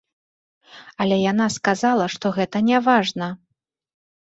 Але яна сказала, што гэта не важна.